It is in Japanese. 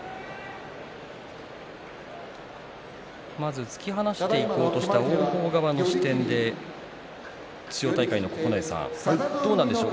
まず突き放していこうとした王鵬の視点で千代大海の九重さんどうなんですか？